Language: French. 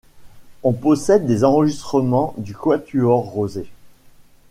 On possède des enregistrements du quatuor Rosé.